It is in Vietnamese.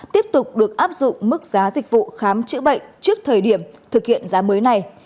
tiếp tục được áp dụng mức giá dịch vụ khám chữa bệnh trước thời điểm thực hiện giá mới này